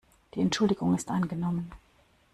Die Entschuldigung ist angenommen.